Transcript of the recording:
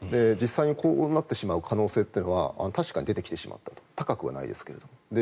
実際にこうなってしまう可能性は確かに出てきてしまうと高くはないですけど。